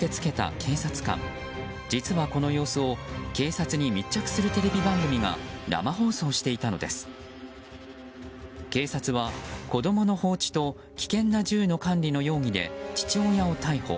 警察は子供の放置と危険な銃の管理の容疑で父親を逮捕。